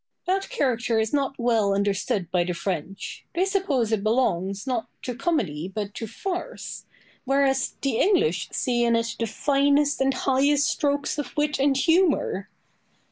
Boileau. That character is not well understood by the French; they suppose it belongs, not to comedy, but to farce, whereas the English see in it the finest and highest strokes of wit and humour.